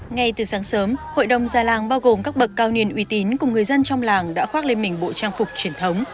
ngay từ sáng sớm hội đồng gia làng bao gồm các bậc cao niên uy tín cùng người dân trong làng đã khoác lên mình bộ trang phục truyền thống